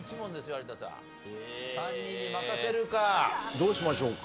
どうしましょうか。